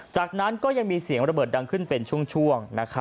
จากนั้นก็ยังมีเสียงระเบิดดังขึ้นเป็นช่วง